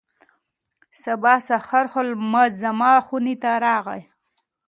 سبا سهار هولمز زما خونې ته راغی.